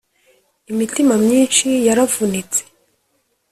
imitima myinshi yaravunitse